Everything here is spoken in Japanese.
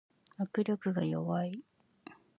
握力が弱い